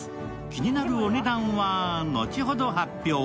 気になるお値段は、後ほど発表。